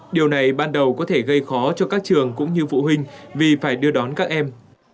điều này ban đầu có thể gây khó cho các trường cũng như phụ huynh vì phải đưa đón các em